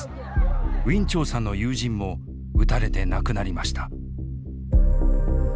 ウィン・チョウさんの友人も撃たれて亡くなりました。